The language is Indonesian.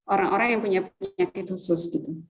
orang orang yang punya penyakit khusus gitu